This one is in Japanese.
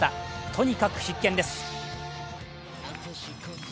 とにかく必見です。